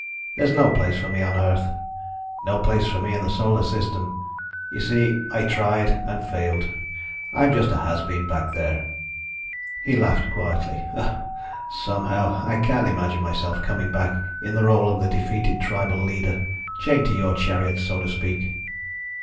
"There's no place for me on Earth, no place for me in the Solar System. You see, I tried and failed. I'm just a has been back there." He laughed quietly. "Somehow, I can't imagine myself coming back in the role of the defeated tribal leader, chained to your chariot, so to speak."